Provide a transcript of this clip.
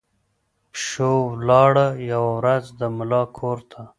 پشو ولاړه یوه ورځ د ملا کورته